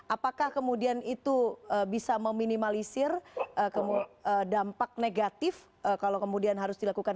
apakah kemudian itu bisa meminimalisir dampak negatif kalau kemudian harus dilakukan